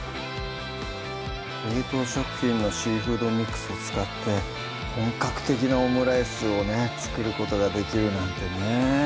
冷凍食品のシーフードミックス使って本格的なオムライスをね作ることができるなんてね